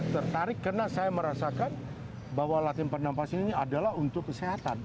tertarik karena saya merasakan bahwa latihan pernafasan ini adalah untuk kesehatan